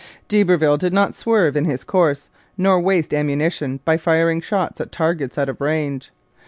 D'Iberville did not swerve in his course, nor waste ammunition by firing shots at targets out of range.